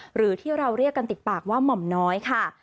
หรือที่เราเรียกกันติดปากว่าหม่อมน้อยค่ะ